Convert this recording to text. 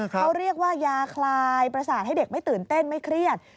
เขาเรียกว่ายาคลายประสาทให้เด็กไม่ตื่นเต้นไม่เครียด